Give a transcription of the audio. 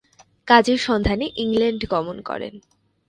কাজের সন্ধানে ইংল্যান্ড গমন করেন।